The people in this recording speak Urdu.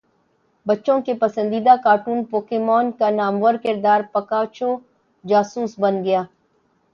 بچوں کے پسندیدہ کارٹون پوکیمون کا نامور کردار پکاچو جاسوس بن گیا